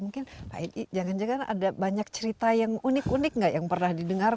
mungkin pak edi jangan jangan ada banyak cerita yang unik unik nggak yang pernah didengar